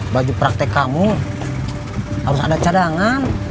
bagi praktek kamu harus ada cadangan